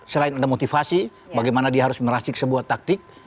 selain ada motivasi bagaimana dia harus merasik sebuah taktik